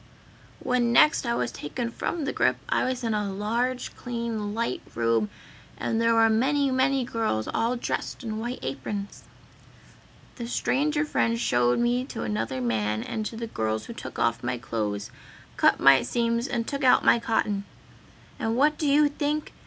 "When next I was taken from the grip I was in a large, clean, light room and there were many, many girls all dressed in white aprons. "The stranger friend showed me to another man and to the girls who took off my clothes, cut my seams and took out my cotton. And what do you think!